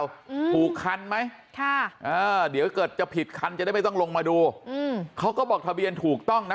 อืมถูกคันไหมค่ะอ่าเดี๋ยวเกิดจะผิดคันจะได้ไม่ต้องลงมาดูอืมเขาก็บอกทะเบียนถูกต้องนะ